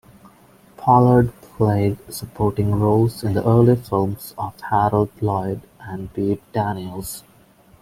Pollard played supporting roles in the early films of Harold Lloyd and Bebe Daniels.